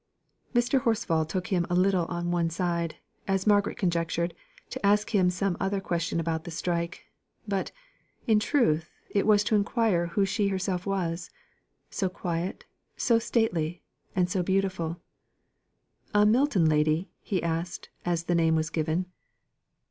Mr. Horsfall took him a little on one side, as Margaret conjectured, to ask him some other question about the strike; but, in truth, it was to inquire who she herself was so quiet, so stately, and so beautiful. "A Milton lady?" asked he, as the name was given.